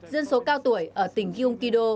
dân số cao tuổi ở tỉnh gungido